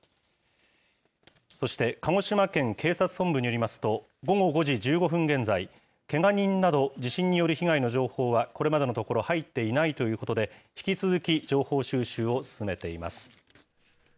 そして、鹿児島県警察本部によりますと、午後５時１５分現在、けが人など、地震による被害の情報はこれまでのところ入っていないということで、引き続き情報収集を進めています。